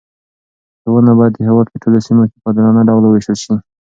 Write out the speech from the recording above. ښوونه باید د هېواد په ټولو سیمو کې په عادلانه ډول وویشل شي.